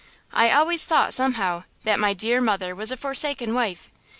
"I always thought, somehow, that my dear mother was a forsaken wife.